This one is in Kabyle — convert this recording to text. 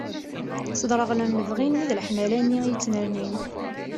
Sdereɣlen lebɣi-nni d leḥmala-nni i yettnernin.